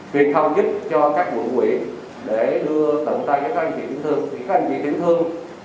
truyền thống giúp cho các nguồn quỹ để đưa tận tay cho các anh chị tiểu thương các anh chị tiểu thương